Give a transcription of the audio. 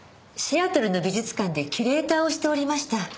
シアトルの美術館でキュレーターをしておりました。